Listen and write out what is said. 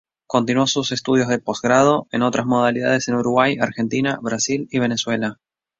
Continuó sus estudios de posgrado en otras modalidades en Uruguay, Argentina, Brasil y Venezuela.